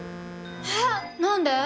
えっ何で？